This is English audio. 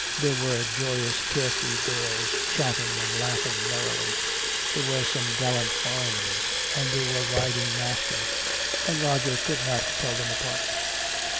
There were joyous care free girls, chatting and laughing merrily. There were some gallant foreigners, and there were riding masters, and Roger could not tell them apart.